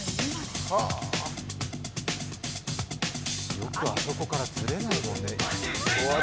よくあそこからずれないよね。